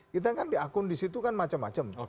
kita kan diakun di situ kan macam macam